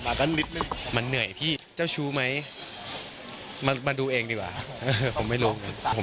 มากันหมิทไม่มันเหนื่อยพี่นี่เช้าชูมั้ยมึงมามาดูเองดีกว่าผมไม่รู้